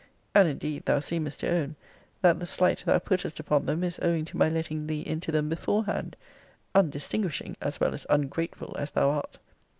And indeed thou seemest to own, that the slight thou puttest upon them is owing to my letting thee into them before hand undistingushing as well as ungrateful as thou art!